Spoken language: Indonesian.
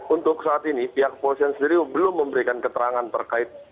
untuk saat ini pihak kepolisian sendiri belum memberikan keterangan terkait